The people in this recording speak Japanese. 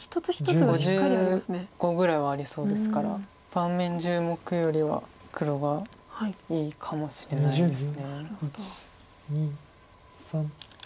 ５５ぐらいはありそうですから盤面１０目よりは黒はいいかもしれないです。